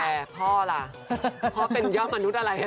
แต่พ่อล่ะพ่อเป็นยอดมนุษย์อะไร